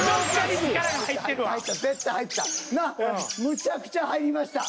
むちゃくちゃ入りました。